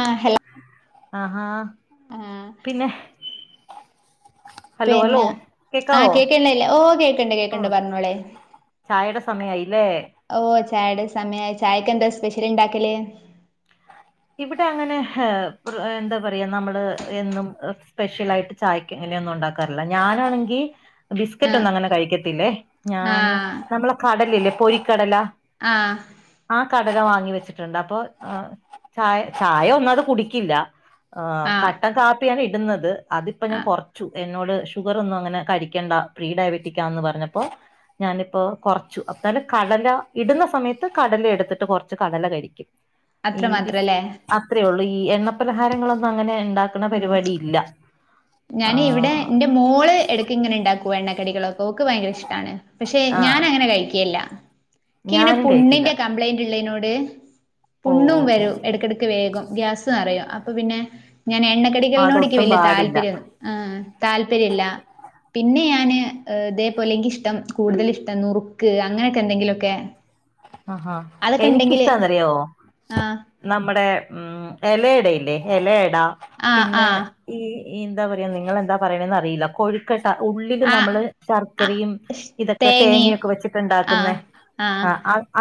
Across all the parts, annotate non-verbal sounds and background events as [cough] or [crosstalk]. ആ ഹലോ ആഹാ ആഹ് പിന്നെ ഹലോ ഹലോ പിന്നെ ആ കേക്കാവോ കേക്കണ്ടല്ലേ ഓ കേൾക്കണ്ട് കേൾക്കണ്ട് പറഞ്ഞോളെ ചായയുടെ സമയയില്ലേ ഓ ചായയുടെ സമയ ചായക്ക്െന്താ സ്പെഷ്യൽ ഇണ്ടാക്കല്േ ഇവിടെ അങ്ങനെ എന്താ പറയാ നമ്മള് എന്നും സ്പെഷ്യല ആായിട്ട് ചായ ഇങ്ങനെയൊന്നും ഉണ്ടാക്കാറില്ല ഞാനാണെങ്കിൽ ബിസ്ക്കറ്റ് ആഹ് ഒന്നും അങ്ങനെ കഴിക്കത്തില്ലേ ഞാന് ആഹ് നമ്മളെ കടലല്ലേ പൊരിക്കടലാ ആഹ് ആ കടക വാങ്ങി വെച്ചിട്ടുണ്ട് അപ്പൊ ചായ ചായ ഒന്നും അത് കുടിക്കില്ല ആ് ആഹ് കട്ടൻ കാപ്പിയാണ് ഇടുന്നത് അതിപ്പ ഞാൻ ആഹ് കുറച്ചു എന്നോട് ഷുഗർ ഒന്നും അങ്ങനെ കഴിക്കണ്ട പ്രീ ഡയബറ്റിക്കാന്ന് പറഞ്ഞപ്പോ ഞാനിപ്പ കുറച്ചു അല് കടല ഇടുന്ന സമയത്ത് കടല എടുത്തിട്ട് കുറച്ച് കടല കഴിക്കും ഈ അത്ര മാത്രല്ലേ അത്രേ ഉള്ളൂ ഈ എണ്ണ പലഹാരങ്ങളൊന്നും അങ്ങനെ ഉണ്ടാക്കണ പരിപാടി ഇല്ല ആ ഞാൻ ഇവിടെ എന്റെ മോള് എടക്ക ഇങ്ങനെ ഉണ്ടാക്കുവ എണ്ണക്കടികളൊക്കെഓക്ക് ഭയങ്ക ഇഷ്ടമാണ് പക്ഷെ ആ ഞാൻ അങ്ങനെ കഴിക്കല്ല എ ഇങ്ങനെ ഞാനും കഴിക്കില്ല പുണ്ണിന്റെ കംപ്ലൈന്റ് ഉള്ളതിനോട് ഓ പുണ്ണും ഓ ഓ വരും ഇടക്കിടയ്ക്ക് വേഗം ഗ്യാസന്ന് അറിയോ അപ്പൊ പിന്നെ ഞാൻ എണ്ണ ടികളിനോടക്ക് അതൊട്ടും വലിയ പാടില്ല താല്പര്യം ആ താല്പര്യം ഇല്ല പിന്നെ ഞാാന് ഇതേപോലെങ്ക ഇഷ്ടം കൂടുതല ഇഷ്ടം നുറുക്ക് അങ്ങനെയൊക്കെ എന്തെങ്കിലുംക്കെ [inaudible] ആഹാ എനക്ക് ഇഷ്ടാന്നറിയോ ആഹ് നമ്മുടെ ഉം എലടല്ലേ എലട ആഹ് പിന്നെ ആഹ് ഈഈ എന്താ പറയാ നിങ്ങൾെന്താ പറയണന്ന് അറിയില്ല കൊഴ കേട്ട ഉള്ളില് നമ്മള് ആഹ് അ ശർക്കരയും ഇതൊക്കെ തേങ്ങയൊക്കെ വെച്ചിട്ട്ഉണ്ടാക്കുന്ന ആഹ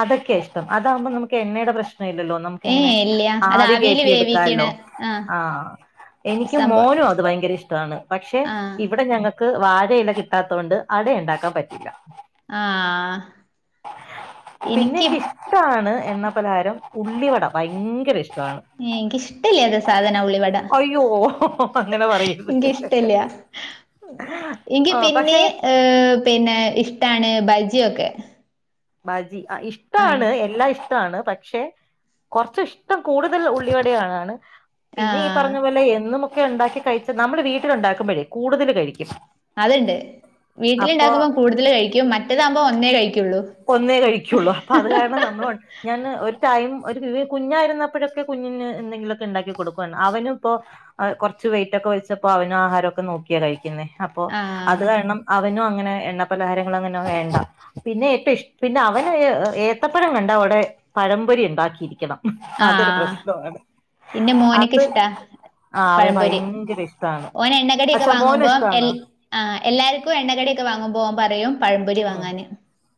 അതൊക്കെ ഇഷ്ടംതാക്പ നമു എണ്ണയുടെ പ്രശ്ം പ്രല്ലല്ലോ നമുക്കിങ്ങനെ ഏഹ് ഇല്ല അത് ആവി ആവിയിൽ വേവിക്കണ കേയറ്റിയെടുക്കാല്ലോ ആഹ് ആഹ എനിക്ക് സംഭവം മോനും അത് ഭയങ്കര ഇഷ്ടമാണ് പക്ഷെ ആഹ് ഇവിടെ ഞങ്ങൾ ക്ക് വാഴയില കിട്ടാത്തോകൊണ്ട് അട ഉണ്ടാക്കാൻ പറ്റില്ല ആഹ് പിന്നെ എനിക്ക് ഇഷ്ടാണ് എണ്ണ പലഹാരം ഉള്ളിവട ഭയങ്കര ഇഷ്ടമാണ് എനിക്ക്ഇഷ്ടല്ലാത സാധന ഉള്ളി വട അയ്യോ അങ്ങനെ പറയരുത് എനക്ക് ഇഷ്ടല്ല എനിക്ക് ആ പിന്നെ പക്ഷെ ഏ പിന്നെ ഇഷ്ടാണ് ബജിയൊക്കെ ബജി ആഹ് ആഹ് ഇഷ്ടാണ് എല്ലാം ഇഷ് ഷ്ടാണ് പക്ഷെ കൊറച്ച് ഇഷ്ടം കൂടുതൽ ഉള്ളിവടയൊടെയാണ് പിന്നെ ഈ ആഹ് പറഞ്ഞ പോലെ എന്നുമൊക്കെ ഉണ്ടാക്കി കഴിച്ച നമ്മള് വീട്ടിലുണ്ടാക്കുമ്പോഴേ കൂടുതൽ കഴിക്കും അതുണ്ട് അപ്പൊ വീട്ടിലുണ്ടാക്കുമ്പോൾ കൂടുതൽ കഴിക്കും മറ്റേതാകുമ്പോൾ ഒന്നേ കഴിക്കുള്ളൂ ഒന്നേ കഴിക്കുള്ളൂ അപ്പൊ അത് കാരണം നമ്മൾ ഞാന് ഒരു ടൈം ഒരു വിവേ കുഞ്ഞായിരുന്നപ്പോഴൊക്കെ കുഞ്ഞിന് എന്തെങ്കിലുക്കെ ഇ ണ്ടാക്കി കൊടുക്കുവാര്ന്ന് അവനും ഇപ്പോ ആ കൊറച്ച് വെയിറ്റ് ഒക്കെ വെച്ചപ്പോ അവനആഹാരംക്കെ നോക്കിയാ കഴിക്കുന്നേ അപ്പോ ആഹ് അത് കാരണം അവനും അങ്ങനെ എണ്ണ പലഹാരങ്ങളും അങ്ങനെെ വേണ്ട പിന്നെ പിന്നെ അവന് ഏത്തപ്പഴം കണ്ട ഓടെ പഴംപൊരി ഇ- ണ്ടാക്കിയിരിക്കണം. അതൊരു പ്രശ്നമാണ് പിന്നെ മോനക്ക് അത് ഇഷ്ടാ ആ അവന് പഴംപൊരി ഭയങ്കര ഇഷ്ടാണ് ഓനഎണ്ണകടിക്കെ അച്ഛാ മോന് വാങ്ങുമ്പോ എ ഇഷ്ടാണ് ആ എല്ലാവർക്കും എണ്ണ കടിയോ ക്കെ വാങ്ങ്മ്പോ ഓൻ പറയും. പഴംപൊരി ആ വാങ്ങാന്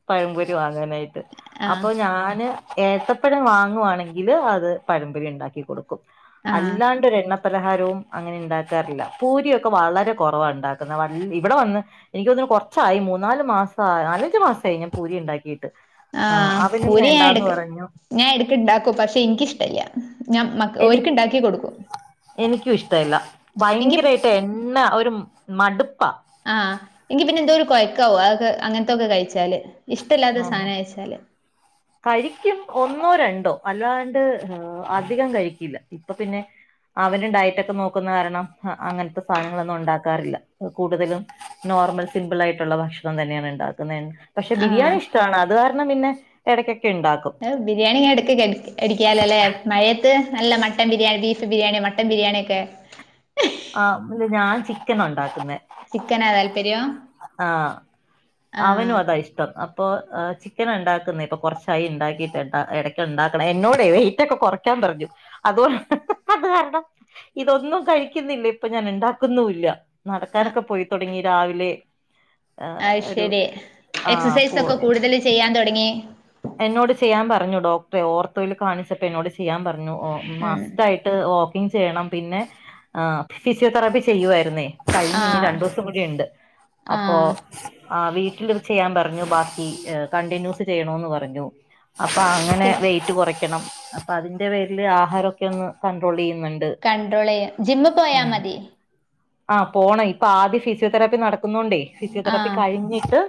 പഴംപൊരി വാങ്ങാനായിട്ട് ആഹ് അപ്പൊ ഞാന് ഏത്തപ്പഴം വാങ്ങുവാണെങ്കില് അത് പഴംപൊരി ഉണ്ടാക്കി കൊടുക്കും ആഹ് അല്ലാണ്ട് എണ്ണ പലഹാരവും അങ്ങനെ ഇ ണ്ടാക്കാറില്ല പൂരിയൊക്കെ വളരെ കൊറവ ഇണ്ടാക്കുന്ന വ ഇവിടെ വന്ന് എനിക്ക് തോന്നുന്നു കൊറച്ചായി മൂന്നാല് മാസഅ നാലഞ്ചു മാസായി ഞാൻ പൂരി ഉണ്ടാക്കിയിട്ട് ആ ആഹ് അവലും പൂരി ഞാൻ വേണ്ടാന്ന് എടക്ക് പറഞ്ഞു ഞാൻ എടുക്ക് ഇണ്ടാക്കും പക്ഷെ എനിക്ക്ഷ്ടല്ല ഞാൻ മ്മ എനി എനിക്കും ഇഷ്ടല്ല എനിക്ക് ഭയങ്കരആ ട്ടെണ്ണ ഒരു മടുപ്പാ ആഹ് എങ്കി പിന്നെ എന്തോ ഒരു കൊഴയ്ക്കാവോ അതൊക്കെ അങ്ങനത്തൊക്കെ കഴിച്ചാല് ഇഷ്ടമല്ലാത്ത ആഹ് സാധനം കഴച്ചാല് കഴിക്കും ഒന്നോ രണ്ടോ അല്ലാണ്ട് അധികം കഴിക്കില്ല ഇപ്പൊ പിന്നെ അവരും ഡയറ്റഒക്കെ നോക്കുന്ന കാരണം അ അങ്ങനത്തെ സാധനങ്ങളൊന്നും ഉണ്ടാക്കാറില്ല കൂടുതലും നോർമൽ സിമ്പിൾആയിട്ടുള്ള ഭക്ഷണം തന്നെയാണ് ഇ- ണ്ടാക്കുന്നെ പക്ഷെ ആഹ് ബിരിയാണി ഇഷ്ടമാണ് അത് കാരണം പിന്നെ ഇടയ്ക്കൊക്കെ ഇണ്ടാക്കും ബിരിയാണി ഇങ്ങ എടക്ക എടിക്കാലോ അല്ലേ മഴയത്ത് നല്ല mutton biryani buff biryani mutton ബിരിയാണിയക്കെ ആ ഇല്ല ഞാൻ ചിക്കനഉണ്ടാക്കുന്നെ ചിക്കനാ താല്പര്യം ആഹ് അവനും അതാ ആഹ് ഇഷ്ടം അപ്പൊ ഏ ചി ചിക്കന ഇണ്ടാക്കുന്നെ ഇപ്പൊ കൊ റച്ചായി ഇണ്ടാക്കിട്ട് ട്ടോ എടയ്ക്ക ഉണ്ടാക്കണം എന്നോടെ വെയിറ്റ് ഒക്കെ കൊറയ്ക്കാൻ പറഞ്ഞു അതോ അത് കാരണം ഇതൊന്നും കഴിക്ക ക്കിന്നില്ല ഇപ്പൊ ഞാൻ ഉണ്ടാക്കുന്നുല്ല നടക്കാനൊക്കെ പോയി തൊടങ്ങി രാവിലെ ഒരു അയ്ശരി ആ എക്സസൈസ പോ ഒക്കെ കൂടുതല്ചെയ്യാൻ തൊടങ്ങി എന്നോട് ചെയ്യാൻ പറഞ്ഞു ഡോക്ടറെ ഓർത്തോയിൽ കാണിച്ചപ്പോ എന്നോട് ചെയ്യാൻ പറഞ്ഞു ഒ ഉം മസ്റ്റആയി ട്ട് വോക്കിങ് ചെയ്യണം പിന്നെ ഫിസിയോതെറാപ്പി ചെയ്യുആരുന്നേ കഴിഞ്ഞീ ഇനി ആഹ് രണ്ടു ദിവസം കൂടി ഉണ്ട് അപ്പോ ആഹ് ആ വീട്ടിൽത് ചെയ്യാൻ പറഞ്ഞു ബാക്കി കണ്ടിന്യൂസ് ചെയ്യണന്ന് പറഞ്ഞു അപ്പൊ അങ്ങനെ ഫിസ് വെയിറ്റ് കുറയ്ക്കണം അപ്പ അതിൻന്റെ പേരില് ആഹാരമൊക്കെ ഒന്ന് കണ്ട്രോൾ ചെയ്യുന്നുണ്ട് കൺണ്ട്രോൾ ചെയ്യാൻ ജിമ്മി പോയാൽ മതി ആഹ് പോണം ഇപ്പൊ ആദ്യം ഫിസിയോതെറാപ്പി നടക്കുന്നുണ്ടേ ഫിസിയോതെറാപ്പി കഴിഞ്ഞിട്ട്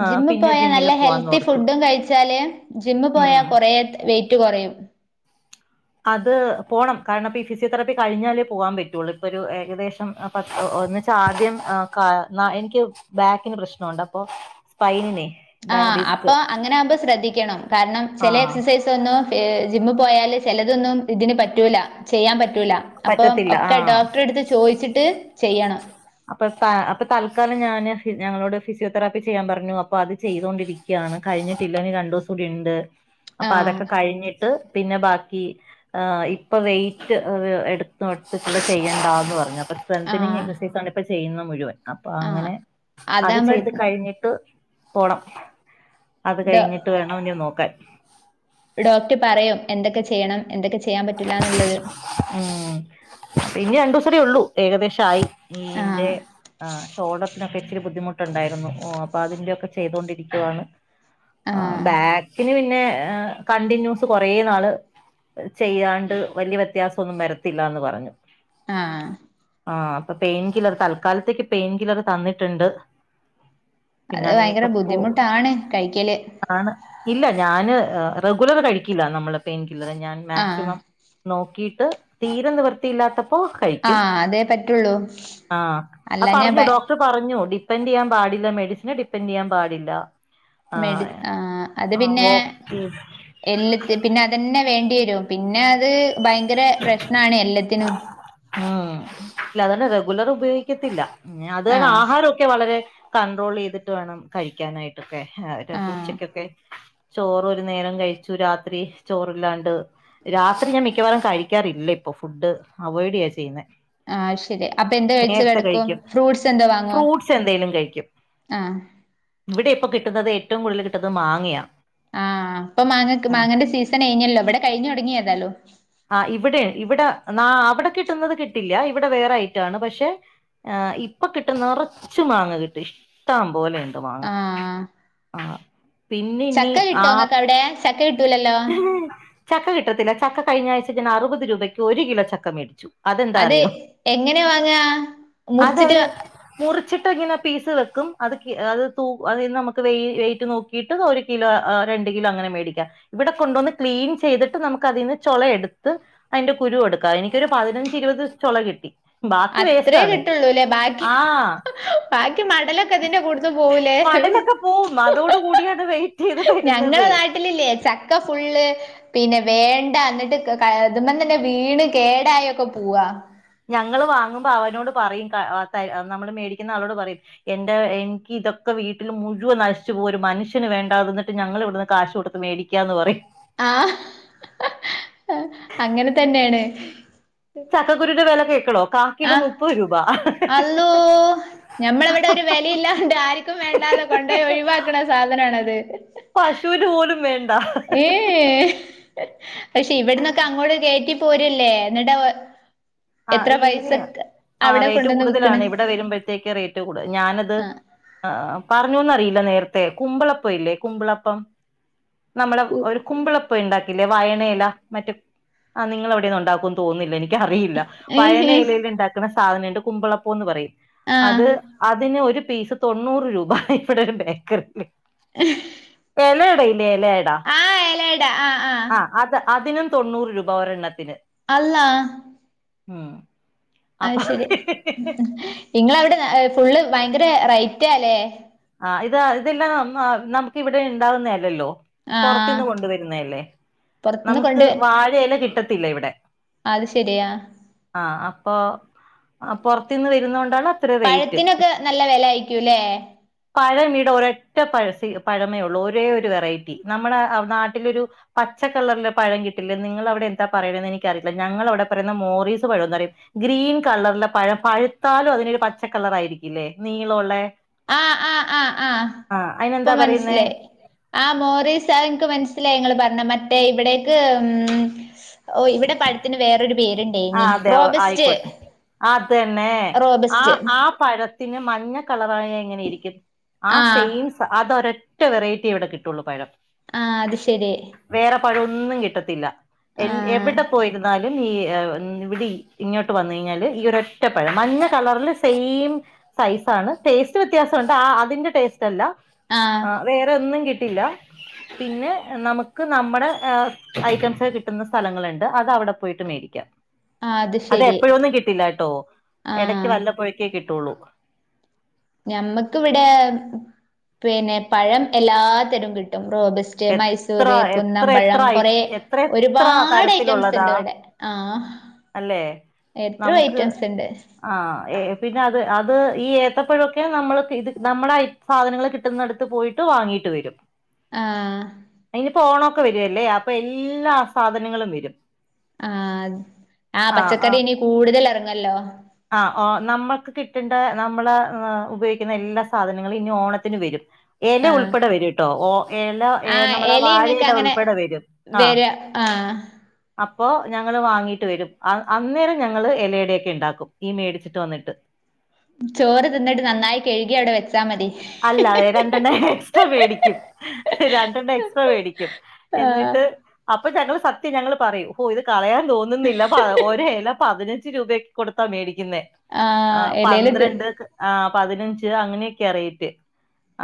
ആ ജിമ്മിൽ പിന്നെ പോയാ നല്ല ജിമ്മില് ഹെൽത്തി പോവാന്നോർത്തു ഫുഡും കഴിച്ചാല് ജിമ്മി പോയാ ഉം കൊറെ വെയിറ്റ് കൊറയും. അത് പോണം കാരണം ഇപ്പ ഈ ഫിസിയോതെറാപ്പി കഴിഞ്ഞാലേ പോകാൻ പറ്റുള്ളൂ ഇപ്പൊ ഒരു ഏകദേശം ഒന്നിച്ചാദ്യം ആ ക ന എനിക്ക് ബാക്കിന് പ്രശ്നുണ്ട് അപ്പൊ പൈനിനെ ആഹ് അപ്പൊ അങ്ങനെ ആകുമ്പോ ശ്രദ്ധിക്കണം കാരണം ആ ചില എക്സസൈസ് ന്നും എഹ് ജിമ്മ് പോയാല് ചിലതൊന്നും ഇതിന് പറ്റൂല ചെയ്യാൻ പറ്റൂല അപ്പൊ പറ്റത്തില്ല ഒക്കെ ആ ഡോക്ടറെടുത്ത് ചോദിച്ചിട്ട് ചെയ്യണം അപ്പൊ ത അപ്പൊ തൽക്കാലം ഞാന് ഞങ്ങളോട് ഫിസിയോതെറപ്പി ചെയ്യാൻ പറഞ്ഞു അപ്പൊ അത് ചെയ്തോണ്ടിരിക്ക ക്കാണ് കഴിഞ്ഞിട്ടില്ല നി രണ്ടു ദിവസം കൂടി ഉണ്ട് അപ്പൊ ആഹ് അതൊക്കെ കഴിഞ്ഞിട്ട് പിന്നെ ബാക്കി ഇപ്പൊ വെയ്റ്റ് എടുത്തട്ടട്ടുള്ള ചെയ്യണ്ടാന്ന് പറഞ്ഞ സ്ട്രെതനിങ് ആഹ് എക്സസൈസാണ് ഇപ്പൊ ചെയ്യുന്ന മുഴുവൻ അപ്പൊ ആഹ് അങ്ങനെ അത് അതാകുമ്പോ ചെയ്ത് കഴിഞ്ഞിട്ട് പോണം അത് ഡോ കഴിഞ്ഞിട്ട് വേണം നി നോക്കാൻ ഡോക്ടർ പറയും എന്തൊക്കെ ചെയ്യണം എന്തൊക്കെ ചെയ്യാൻ പറ്റില്ലാന്നുള്ളത് ഉംമ് പിന്നെ രണ്ടുസം ടി ഉള്ളൂ ഏകദേശം ആയി ന്റെ ആഹ് ആ് ഷോഡറിനൊക്കെ ഇച്ചിരി ബുദ്ധിമുട്ടുണ്ടായിരുന്നു ഓ അപ്പൊ അതിന്റെയൊക്കെ ചെയ്തോണ്ടിരിക്കുവാണ് ആഹ് ബാക്കില് പിന്നെ കണ്ടിന്യൂസ് കുറേ നാള് ചെയ്യാണ്ട് വലിയ വ്യത്യാസമൊന്നും വരത്തില്ലന്ന് പറഞ്ഞു ആഹ ആ അപ്പൊ പെയിൻ കില്ലർ തൽക്കാലത്തേക്ക് പെയിൻ കില്ലർ തന്നിട്ടുണ്ട് പിന്നെ അത് ഭയങ്കര അങ്ങനെയൊക്കെ പോ ബുദ്ധിമുട്ടാണ് കഴിക്കല് ആണ് ഇല്ല ഞാന് റെഗുലർ കഴിക്കില്ല നമ്മള് പെയിൻ കില്ലർ ഞാൻ മാക്സി ആഹ് നോക്കിയിട്ട് തീരെ നിവൃത്തിയില്ലാത്തപ്പോ യിക്കും ആഹ് അതേ പറ്റുള്ളൂ ആ അല്ലാഞ്ഞാ ഭ പറഞ്ഞു ഡോ ക്ഡർ പറഞ്ഞു ഡിപ്പൻറ് യ്യാൻ പാടില്ല മെഡിസിനെ ഡിപ്പെൻഡറ് ചെയ്യാൻ പാടില്ല മെഡ ആഹ് അത് ആ പിന്നെ വോക്ക് എല്ലത്തി പിന്നെ അതന്നെ വേണ്ടി വരും പിന്നെ അത് ഭയങ്കര പ്രശ്നാണ് എല്ലത്തിനും ഉംമ് ഇല്ല അതന്നെ റെഗുലർ ഉപയോഗിക്കത്തില്ല അത ആഹ് ആഹാരം വളരെ കണ്ട്രോൾ ചെയ്തിട്ട് വേണം കഴിക്കാനായിട്ടൊക്കെ ആഹ് ഉച്ചക്കൊക്കെ ചോറ ഒരു നേരം കഴിച്ചു രാത്രി ചോറില്ലാണ്ട് രാത്രി ഞാൻ മിക്കവാറും കഴിക്കാറില്ല ഇപ്പൊ ഫുഡ് അവോയ്ഡ് ചെയ്യാ ചെയ്യുന്നേ ആഹ് ശരി അപ്പൊ എന്ത കഴിച്ചു നേരത്തെ കിടക്കും കഴിക്കും ഫ്രൂട്ട്സ് എന്താ വാങ്ങോ ഫ്രൂട്ട്സ് എന്തേലും കഴിക്കും ആഹ് ഇവിടെ ഇപ്പൊ കിട്ടുന്നത് ഏറ്റവും കൂടുതൽ കിട്ടുന്നത് മാങ്ങയാ ആഹ് പ്പൊ മാങ്ങ മാങ്ങന്റെ സീസണിനല്ലോ ഇവിടെ കഴിഞ് തോടങ്ങി യെതാലും ആഹ് ഇവിടെ ഇവിടെ ന അവിടെ കിട്ടുന്നത് കിട്ടില്ല ഇവിടെ വേറെ ഐറ്റാണ് പക്ഷെ ആഹ് ഇപ്പൊ കിട്ട് നിറച്ച് മാങ്ങ കിട്ടയി ഇഷ്ടം പോലെുണ്ട് മാങ്ങാ ആഹ് ആ പിന്നെ ഇനി ആഹ് ചക്കകിട്ടൂലല്ലോ ചക്ക കിട്ടത്തില്ല ചക്ക കഴിഞ്ഞ ആഴ്ച ഞാൻ അറുപത് രൂപയ്ക്ക് ഒരു കിലോ ചക്ക മേടിച്ചു അതെന്താ അതെ അറിയോ എങ്ങനെ വാങ്ങാ മുറിച്ചിട്ട് അതവര് മുറിച്ചിട്ട് ഇങ്ങനെ പീസ് വെയ്ക്കും അത് അത് ത അതിൽ നിന്ന് നമക്ക് വയ്റ്റ് നോക്കി ട്ട് ഒരു കിലോ രണ്ട് കിലോ അങ്ങനെ മേടിക്കാം ഇവിടെ കൊണ്ടുവന്ന് ക്ലീൻ ചെയ്തിട്ട് നമുക്ക് അതിൽന്ന് ചൊള എടുത്ത് അതിന്റെ കുരുവെടുക്കാം എനിക്കൊരു പതിനഞ്ച് ഇരുപത് ചൊള കിട്ടി ബാക്കി അത്രയേ വേസ്റ്റാണ് കിട്ടുള്ളൂല്ലേ ബാക്കി ആഹ് ബാക്കി മടലൊക്കെ അതിന്റെ കൂട്ത് പോവൂലേ മടലൊക്കെ പോവും അതോട് കൂടിയാണ് വെയിറ്റ് ചെയ്ത് തരുന്നത് ഞങ്ങള നാട്ട ട്ടിലില്ലേ ചക്ക ഫുള്ള് പിന്നെ വേണ്ട ന്നിട്ട് അതുമ്പം തന്നെ വീണ് കേടായോക്കെ പോവാ ഞങ്ങള് വാങ്ങുമ്പോ അവനോട് പറയും ക ത നമ്മള് മേടിക്കുന്ന ആളോട് പറയും എന്റെ എനിക്ക് ഇതൊക്കെ വീട്ടിൽ മുഴുവൻ നശിച്ചു പോവും ഒരു മനുഷ്യന് വേണ്ടാ എന്നിട്ട് ഞങ്ങൾ ഇവിടുന്ന് കാശ് കൊടുത്ത് മേടി ക്കാന്ന് പറയും ആഹ് അങ്ങനെ തന്നെയാണ് ചക്കക്കുരുവിന്റെ വെല കേക്കണോ കാക്കിലോ ആഹ് മുപ്പത് രൂപ. അള്ളോ ഞമ്മളിവിടെ ഒരു വെലിയില്ലാണ്ട് ആർക്കും വേണ്ടാതെ കൊണ്ടോയി ഒയ് വാക്കണ സാധനണത് പശുന് പോലും വേണ്ട. ഏഹ് പക്ഷെ ഇവിടന്നൊക്കെ അങ്ങോട് കയറ്റി പോരല്ലേ എന്നിട്ടാ ആ ഈ ആ റേറ്റ് കൊണ്ടന്ന് വിക്കണ്. കൂടുതലാണ് ഇവിടെ വരുമ്പഴത്തേക്ക് റേറ്റ് കൂടുത ഞാനത്. ആഹ് ആ പറഞ്ഞുന്നറിയില്ല നേരത്തെ കുമ്പളപ്പവില്ലേ കുമ്പളപ്പം നമ്മള കു ഒരു കുമ്പിളപ്പ ഇണ്ടാ ല്ലേ വയനയില മറ്റെ ആ നിങ്ങളവിടെയൊന്നും ഒണ്ടാക്കോന്ന് തോന്നുന്നില്ല എനിക്കറിയില്ല ഏഹ്! വയണയിലയിൽ ഇണ്ടാക്കണ സാധനണ്ട് കുമ്പളപ്പംന്ന് പറയും ആഹ്. അത് അതിന് ഒരു പീസ് തൊണ്ണൂറ് രൂപ ഇവിടെ ഒരു ബേക്കറീല് ഏഹ് എലയട ഇല്ലേ എലയട ആഹ് അത് അതിനും തൊണ്ണൂറ് രൂപ ഒരെണ്ണത്തിന് അള്ളാ.. ഉം. അപ്പൊ അയ് ശരി ഇങ്ങളവിടെ ഫുള്ള് ഭയങ്കര റേറ്റാല്ലേ? ആഹ് ഇത് ഇതെല്ലാം നമ്മ നമുക്ക് ഇവിടെ ഇണ്ടാവുന്നേയല്ലല്ലോ. ആഹ്. പൊറത്തിന്ന് കൊണ്ടുവരുന്നയല്ലേ? പൊറത്തുന്ന് നമക്ക് കൊണ്ട് വാഴയില കിട്ടത്തില്ല ഇവിടെ- അത് ശരിയാ. ആഹ് അപ്പൊ പൊറത്തിന്ന് വരുന്നോണ്ടാണ് അത്ര റേറ്റ് പഴത്തിനൊക്കെ നല്ല വെല ആയിക്കൂലേല്ലേ. പഴമിവിടെ ഒരൊറ്റ പഴ സി പഴമേ ഉള്ളൂ ഒരേ ഒരു വെറൈറ്റി നമ്മടെ നാട്ടിലൊരു പച്ചക്കളറില് പഴം കിട്ടില്ലേ നിങ്ങളവിടെ എന്താ പറയണെന്ന് എനിക്കറിയില്ല ഞങ്ങളവിടെ പറയുന്നെ മോറീസ് പഴന്ന് പറയും ഗ്രീൻ കളറിലെ പഴം പഴുത്താലും അതിനൊരു പച്ചക്കളറായിരിക്കില്ലേ നീളോള്ളെ ആ ആഹ് ആഹ് ആ ഇപ്പം അതിനെന്താ പറയുന്നേ മനസിലായി. ആഹ് മോറീസ അയ് ഇന്ക്ക് മനസ്സിലായി ഇങ്ങള് പറഞ്ഞ മറ്റേ ഇവിടേക്ക് ഉം.. ഓഹ് ഇവിടെ പഴത്തിന് വേറൊരു പേര് ആഹ് അതെ ആയിക്കോട്ട് അതന്നെ ആ റോബസ്റ്റ് ആ പഴത്തിന് മഞ്ഞ കളറായ എങ്ങനെയിരിക്കും ആ ആഹ് സെയിം അതൊരൊറ്റ വെറൈറ്റിയെ ഇവിടെ കിട്ടുള്ളൂ പഴം. ആഹ് അത് ശരി. വേറെ പഴൊന്നും കിട്ടത്തില്ല എ ആഹ് എവിടെ പോയിരുന്നാലും ഈ ഇവിടി ഇങ്ങോട്ട് വന്ന് കഴിഞ്ഞാല് ഈ ഒരൊറ്റപ്പഴം മഞ്ഞ കളറില് സെയിം സൈസാണ് ടേസ്റ്റ് വ്യത്യാസണ്ട് ആ അതിന്റെ ടേസ്റ്റല്ല ആഹ് വേറെയൊന്നും കിട്ടില്ല. പിന്നെ നമക്ക് നമ്മടെ ഐറ്റംസൊക്കെ കിട്ടുന്ന സ്ഥലങ്ങളുണ്ട് അത് അവടെ പോയിട്ട് മേടിക്കാം. ആഹ് അത് ശരി അതെപ്പഴൊന്നും കിട്ടില്ലാട്ടോ എടക്ക് ആഹ് വല്ലപ്പോഴേക്കേ കിട്ടുള്ളൂ. ഞമ്മക്ക്‌ ഇവിടെ പിന്നെ പഴം എല്ലാത്തരം കിട്ടും റോബസ് റ്റ് എത്ര മൈസൂര് എത്ര എത്ര കുന്നംപഴം ഐ കൊറെ എത്ര എത്ര ഒരുപാട് ഐറ്റംസ്ണ്ട് തരത്തിലുള്ളതാ ഇവിടെ ആഹ്.. അല്ലേ എത്രൊ നമുക്ക് ഐറ്റംസ്ണ്ട്. ആ ഏ പിന്നെ അത് അത് ഈ ഏത്തപ്പോഴൊക്കെ നമ്മള് ഇത് നമ്മടെ സാധനങ്ങള് കിട്ടുന്നടത്ത് പോയിട്ട് വാങ്ങിയിട്ട് വരും. ആഹ്. ഇനിയിപ്പോ ഓണോക്കെ വരുവല്ലേ അപ്പൊ എല്ലാ സാധനങ്ങളും വരും. ആഹ് ആ പച്ചക്കറി ഇനി കൂടുതൽ ഇറങ്ങുവല്ലോ? ആ ഒ നമ്മൾക്ക് കിട്ടേണ്ട നമ്മള് ഉപയോഗിക്കുന്ന എല്ലാ സാധനങ്ങളും ഇനി ഓണത്തിന് വരും. എല ആഹ് ഉൾപ്പെടെ വരുട്ടോ ഓ എല ഏ ആഹ് നമ്മളെ എലി ഇങ്ങക്ക് വാഴയില അങ്ങനെ ഉൾപ്പെടെ വരും ആഹ് വര ആഹ് അപ്പോ ഞങ്ങള് വാങ്ങീട്ട് വരും അന്നേരം ഞങ്ങള് ഇലയടയൊക്കെണ്ടാക്കും ഈ മേടിച്ചിട്ട് വന്നിട്ട്. ചോറ് തിന്നിട്ട് നന്നായി കഴുകി അവടെ വെച്ചാ മതി അല്ല രണ്ടെണ്ണം എക്സ്ട്രാ വേടിക്കും രണ്ടെണ്ണം എക്സ്ട്രാ വേ ടിക്കും ആഹ് എന്നിട്ട് അപ്പൊ ഞങ്ങൾ സത്യം ഞങ്ങൾ പറയൂ ഇത് കളയാൻ തോന്നുന്നില്ല ഒരല പതിനഞ്ച് രൂപക്ക കൊടുത്താ മേടിക്കുന്നേ ആഹ് എലേല് തി പന്ത്രണ്ട് ആഹ് പതിനഞ്ച് അങ്ങനെയൊക്കെയറി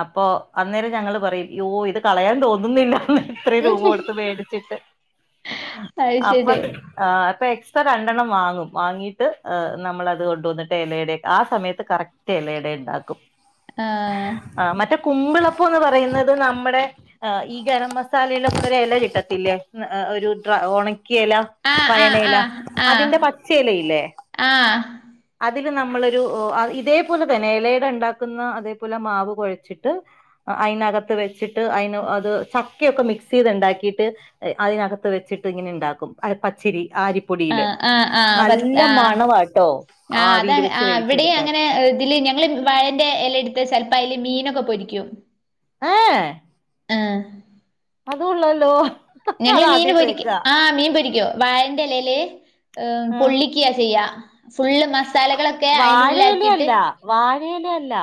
അപ്പൊ അന്നേരം ഞങ്ങള് പറയും യോ ഇത് കളയാൻ തോന്നുന്നില്ല എത്ര രൂപ കൊടുത്ത് മേടിച്ചിട്ട് അത് ശരി അപ്പത് ആഹ് അപ്പ എക്സ്ട്രാ രണ്ടെണ്ണം വാങ്ങും വാങ്ങിട്ട് നമ്മളത് കൊണ്ടുവ വന്നിട്ട് ഇലയുടെ ആ സമയത്ത് കറക്റ്റ് എലടെ ഇണ്ടാക്കും ആഹ് ആ മറ്റേ കുമ്പിളപ്പൊ എന്ന് പറയുന്നത് നമ്മടെ ആഹ് ഈ ഗരം മസാലയിലൊക്കെ ഒരെല കിട്ടത്തില്ലേ ഒരു ഡ്ര ഒണക്കിയ എല ആഹ് വയനയില ആഹ് ആഹ് അതിന്റെ പച്ചയെല ഇല്ലേ ആഹ് ആഹ് അതില് നമ്മളൊരു ഇതേപോലെ എലയടണ്ടാക്കുന്ന അതേപോലെ മാവ് കുഴച്ചിട്ട് അയിനകത്ത് വെച്ചിട്ട് അയിന് അത് ചക്കയൊക്കെ മിക്സ് ചെയ്ത്ണ്ടാക്കിട്ട് അതിനകത്ത് വെച്ചിട്ട് ഇങ്ങനെ ഉണ്ടാക്കും പച്ചിരി ആരിപ്പ ആ ആഹ് ആആ മണവാട്ടോ ആ അത ആവിയിൽ വെച്ച് ആ വിടെ വേവിച്ചെടുക്കാൻ അങ്ങനെ തില് ഞങ്ങള് വഴന്റെ എല എടുത്ത് ചെലപ്പ അയ്ല് മീനൊക്കെ പൊരിക്കും ഏഹ് ഏഹ് ഏഹ് അതുള്ളല്ലോ ഞങ്ങള് അത് മീന് ആദ്യമായിട്ട് പൊരിക്കും വെക്കുക ആ മീൻ പൊരിക്കോ വാഴന്റെ എ ലേല് പൊള്ളിക്കും ആ പൊരിക്ക ചെയ്യ ഫുള്ള് മസാലകളൊക്കെ അയിന്റെ ഉള്ളിലാക്കിയിട്ട് വാഴയില അല്ല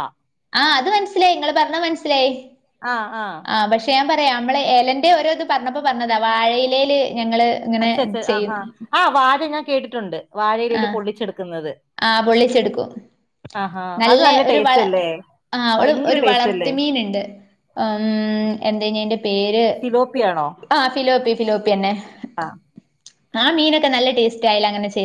ആഹ് അത് മനസ്സിലായി ഇങ്ങള് പറഞ്ഞത് മനസ്സിലായി ആഹ് ആഹ് ആഹ് പക്ഷേ ഞാൻ പറയാം നമ്മള് എലൻ്റെ ഓരോ ഇത് പറഞ്ഞപ്പോൾ പറഞ്ഞതാ വാഴയിലേല് ഞങ്ങൾ ഇങ്ങനെ അച്ച അച്ച ചെയ്ത് ആഹാ ആഹ് വാഴ ഞാൻ കേട്ടിട്ടുണ്ട് ആ വാഴയിലേൽ പൊള്ളിച്ചെടുക്കുന്നത് ആ പൊള്ളിച്ചെടുക്കും ആഹാ അത് നല്ല ഒരു വള ടേസ്റ്റല്ലേ ആ ഒരു ഭയങ്കര ഒരു ടേസ്റ്റല്ലേ വളർത്തുമീനുണ്ട്. ഉം എന്തെനി അയിന്റെ പേര് സിലോപ്പിയാണോ ആഹ് ഫിലോപ്പി ഫിലോപ്പിയന്നെ ആഹ് മീനൊക്കെ നല്ലടേസ്റ്റ് ആയലെ അങ്ങനെ ചെയ്യ